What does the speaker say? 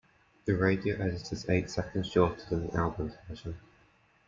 The radio edit is eight seconds shorter than the album version.